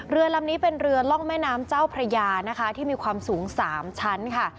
เรือลำนี้เป็นเรือล่องแม่น้ำเจ้าพระยานะคะที่มีความสูง๓ชั้นค่ะ